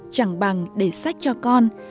chẳng bằng để sách cho con